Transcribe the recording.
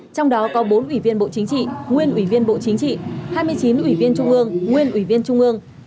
trong đó có bốn ủy viên bộ chính trị nguyên ủy viên bộ chính trị hai mươi chín ủy viên trung ương nguyên ủy viên trung ương